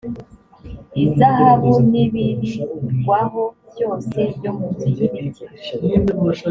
izahabu n ibirirwaho byose byo mu nzu y ibiti